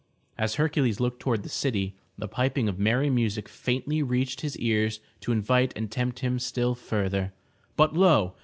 As Hercules looked toward the city, the piping of merry music faintly reached his ears to invite and tempt him still further. But lo!